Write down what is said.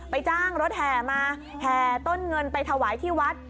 จ้างรถแห่มาแห่ต้นเงินไปถวายที่วัด